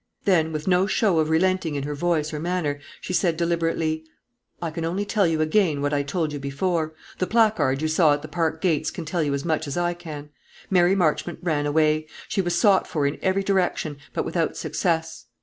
Then, with no show of relenting in her voice or manner, she said deliberately: "I can only tell you again what I told you before. The placard you saw at the park gates can tell you as much as I can. Mary Marchmont ran away. She was sought for in every direction, but without success.